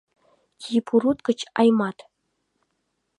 Тьи-Пурут гыч Аймат!